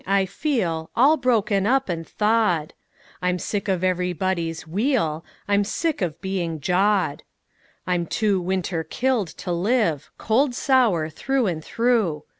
I feel All broken up and thawed. I'm sick of everybody's "wheel"; I'm sick of being jawed. I am too winter killed to live, Cold sour through and through.